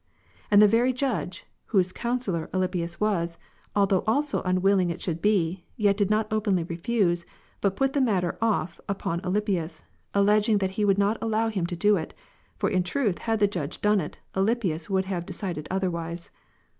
And the very Judge, whose councillor Alypius was, although also unwilling it should be, yet did not openly refuse, but put the matter ofFujjon Alypius, alleging that he would not allow him to do it : for in truth had the Judge done it, Alypius would have decided otherwise™.